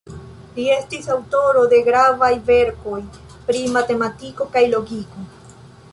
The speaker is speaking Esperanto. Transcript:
Li estis aŭtoro de gravaj verkoj pri matematiko kaj logiko.